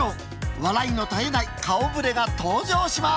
笑いの絶えない顔ぶれが登場します。